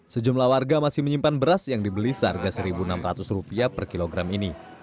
sejumlah warga masih menyimpan beras yang dibeli seharga rp satu enam ratus per kilogram ini